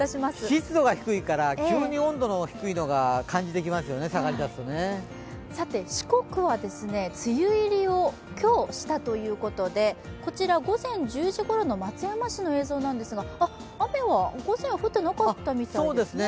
湿度が低いから急に温度の低いのが感じますよね、下がりだすとね四国は梅雨入りを今日したということでこちら午前１０時ごろの松山市の映像なんですけれども雨は午前は降ってなかったみたいですね。